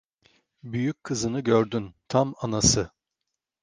Büyük kızını gördün: Tam anası…